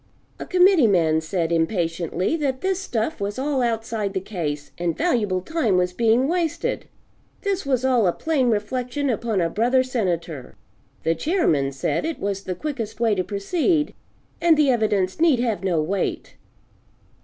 A Committee man said, impatiently, that this stuff was all outside the case, and valuable time was being wasted; this was all a plain reflection upon a brother Senator. The Chairman said it was the quickest way to proceed, and the evidence need have no weight.